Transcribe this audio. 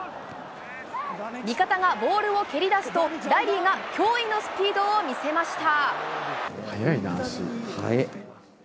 味方がボールを蹴り出すと、ライリーが驚異のスピードを見せ速いな、足。